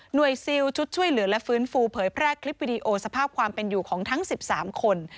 ซิลชุดช่วยเหลือและฟื้นฟูเผยแพร่คลิปวิดีโอสภาพความเป็นอยู่ของทั้ง๑๓คน